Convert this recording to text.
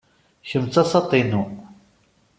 Kemm d tasaḍt-inu.